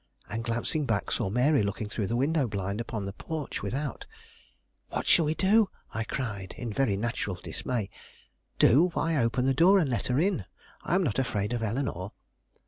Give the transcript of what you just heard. and, glancing back, saw Mary looking through the window blind upon the porch without. "What shall we do?" I cried, in very natural dismay. "Do? why, open the door and let her in; I am not afraid of Eleanore."